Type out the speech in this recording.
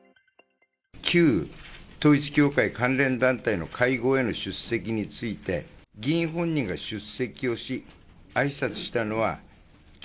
旧統一教会関連団体の会合への出席について、議員本人が出席をし、あいさつしたのは９６名。